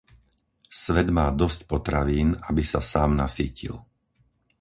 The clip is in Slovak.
Svet má dosť potravín, aby sa sám nasýtil.